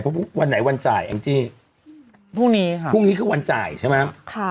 เพราะวันไหนวันจ่ายแองจี้พรุ่งนี้ค่ะพรุ่งนี้คือวันจ่ายใช่ไหมค่ะ